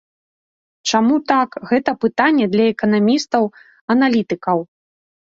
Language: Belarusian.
Чаму так, гэта пытанне для эканамістаў-аналітыкаў.